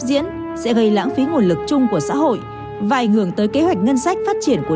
diễn sẽ gây lãng phí nguồn lực chung của xã hội và ảnh hưởng tới kế hoạch ngân sách phát triển của